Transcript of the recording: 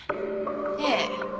ええ。